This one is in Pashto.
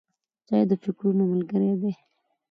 چای د فکرونو ملګری دی.